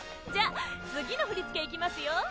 じゃあ次の振り付けいきますよ。